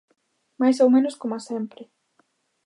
Máis ou menos coma sempre.